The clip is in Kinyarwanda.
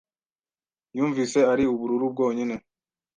Yumvise ari ubururu bwonyine .